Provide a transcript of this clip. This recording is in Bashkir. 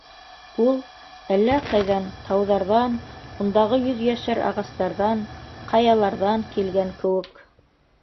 Ул әллә ҡайҙан, тауҙарҙан, ундағы йөҙйәшәр ағастарҙан, ҡаяларҙан килгән кеүек...